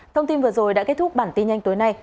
thông tin vừa rồi đã kết thúc bản tin nhanh tối nay